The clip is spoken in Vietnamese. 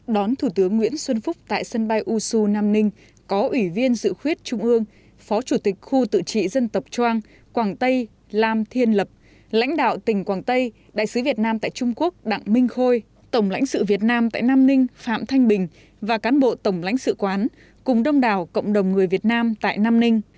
đón thủ tướng nguyễn xuân phúc tại sân bay u su nam ninh có ủy viên dự khuyết trung ương phó chủ tịch khu tự trị dân tập trang quảng tây lam thiên lập lãnh đạo tỉnh quảng tây đại sứ việt nam tại trung quốc đặng minh khôi tổng lãnh sự việt nam tại nam ninh phạm thanh bình và cán bộ tổng lãnh sự quán cùng đông đảo cộng đồng người việt nam tại nam ninh